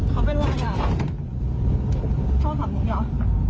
เขาเป็นอะไรอ่ะชอบขับนี้เหรอ